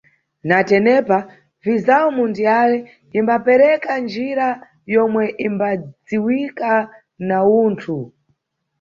Na tenepa, Vizawu Mundiyale imbapereka njira yomwe imbadziwika na Uwunthu.